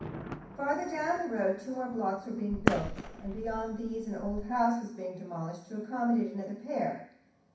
Farther down the road two more blocks were being built, and beyond these an old house was being demolished to accommodate another pair.